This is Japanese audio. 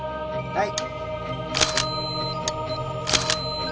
はい。